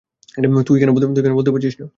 তুই কেন বলতে পারছিস না?